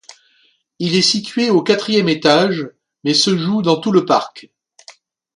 Il est situé au quatrième étage mais se joue dans tout le parc.